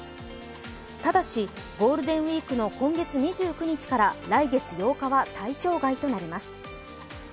ただしゴールデンウイークの今月２９日から来月８日は対象外となります。